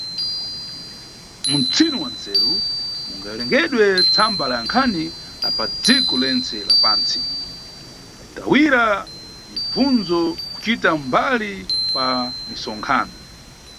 Mumchini wa nzeru mungawerengedwe tsamba la nkhani la padziko lentse la pantsi kutawira mibvunzo kucita mbali pa mitsonkhano.